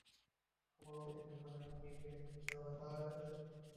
খবর পেয়ে তিনি বোনের বাসায় গিয়ে দেখেন, তাঁর বোন মারা গেছেন।